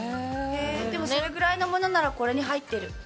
でも、それくらいのものならこれに入ってる。